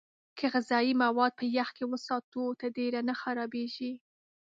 که غذايي مواد په يخ کې وساتو، تر ډېره نه خرابېږي.